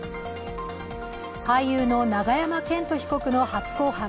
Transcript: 俳優の永山絢斗被告の初公判。